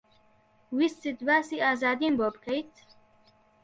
ویستت باسی ئازادیم بۆ بکەیت؟